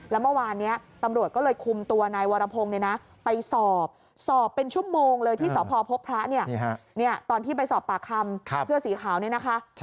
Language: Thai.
แล้วเมื่อวานนี้ตำรวจก็เลยคุมตัวนายวรพงศ์ไปสอบสอบเป็นชั่วโมงเลยที่สพพบพระเนี่ยตอนที่ไปสอบปากคำเสื้อสีขาวนี่นะคะ